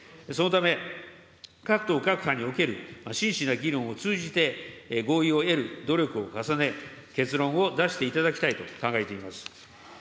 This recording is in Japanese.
そのため、各党各派における真摯な議論を通じて、合意を得る努力を重ね、結論を出していただきたいと考えています。